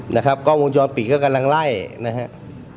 นะครับกล้องวงจรปิดก็กำลังไล่นะครับ